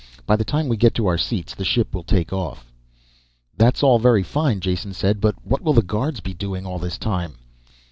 By the time we get to our seats the ship will take off." "That's all very fine," Jason said. "But what will the guards be doing all this time?"